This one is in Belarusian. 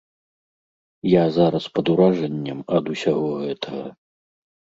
Я зараз пад уражаннем ад усяго гэтага.